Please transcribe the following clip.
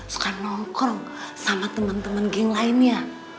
suka ngomong sama temen temen gang lainnya